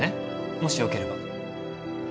もしよければ。